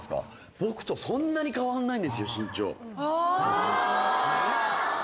僕とそんなに変わんないんですよ身長。